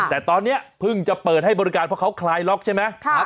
แต่ตอนนี้เพิ่งจะเปิดให้บริการเพราะเขาคลายล็อกใช่ไหม